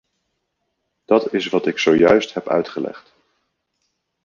Dat is wat ik zojuist heb uitgelegd.